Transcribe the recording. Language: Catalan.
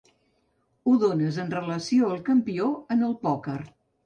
Ho dónes en relació al campió en el pòquer.